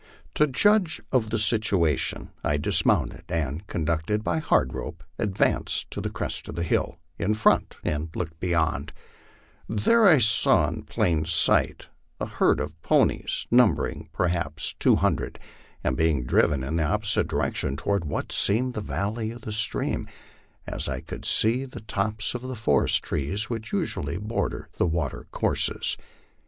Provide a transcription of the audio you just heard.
To judge of the situation I dismounted, and, conducted by Hard Rope, advanced to the crest of the hill in front and looked beyond; there I saw in plain view the herd of ponies, numbering perhaps two hun dred, and being driven in the opposite direction toward what seemed the val ley of a stream, as I could see the tops of the forest trees which usually bor der the water courses.